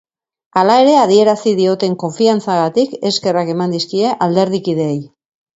Hala ere, adierazi dioten konfiantzagatik eskerrak eman dizkie alderdikideei.